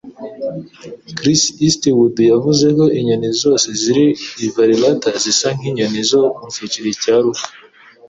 Chris Eastwood yavuze ko inyoni zose ziri i Varirata zisa nkinyoni zo mu cyiciro cya ruf.